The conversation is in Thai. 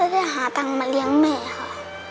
ได้หาตังค์มาเลี้ยงแม่ค่ะ